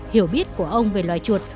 hiểu biết của ông về loại chuột